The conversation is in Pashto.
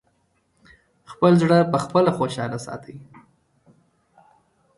خپل زړه پخپله خوشاله ساتی!